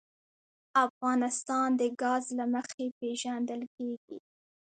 افغانستان د ګاز له مخې پېژندل کېږي.